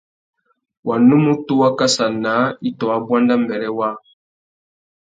Wanúmútú wá kassa naā itô wa buanda mbêrê waā.